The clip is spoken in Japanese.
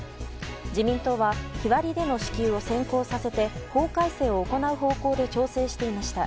自民党は日割りでの支給を先行させて法改正を行う方向で調整していました。